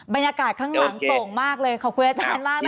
บรรยากาศข้างหลังโต่งมากเลยขอบคุณอาจารย์มากนะคะ